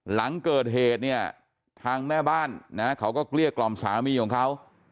หลังเกิดเหตุเนี่ยทางแม่บ้านนะเขาก็เกลี้ยกล่อมสามีของเขา